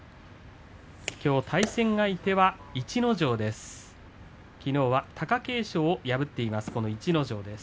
きょう対戦相手は逸ノ城です。